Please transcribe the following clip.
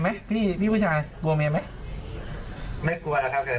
มาเจอพี่แล้วก็จ๊ะเอ่ยกันแล้วหลืดไม่ทันแล้ว